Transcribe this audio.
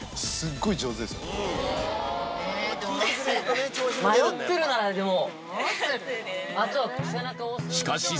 永瀬迷ってるならでも。